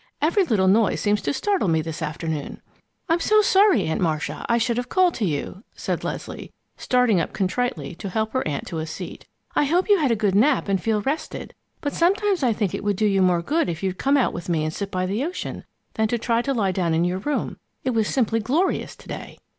Every little noise seems to startle me this afternoon." "I'm so sorry, Aunt Marcia! I should have called to you," said Leslie, starting up contritely to help her aunt to a seat. "I hope you had a good nap and feel rested, but sometimes I think it would do you more good if you'd come out with me and sit by the ocean than try to lie down in your room. It was simply glorious to day."